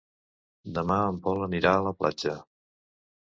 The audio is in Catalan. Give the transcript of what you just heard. Demà en Pol anirà a la platja.